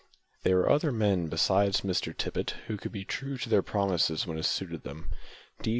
There were other men besides Mr Tippet who could be true to their promises when it suited them. D.